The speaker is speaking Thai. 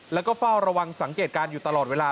แล้วก็เฝ้าระวังสังเกตการณ์อยู่ตลอดเวลา